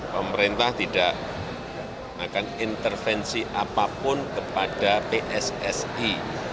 pemerintah tidak akan intervensi apapun kepada pssi